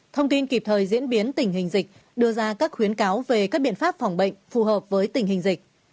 thông tin kịp thời diễn biến tình hình dịch đưa ra các khuyến cáo về các biện pháp phòng bệnh phù hợp với tình hình dịch